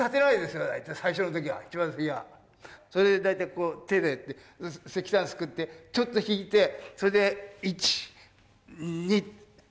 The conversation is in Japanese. それで大体手で石炭すくってちょっと引いてそれで１２３とか４とか。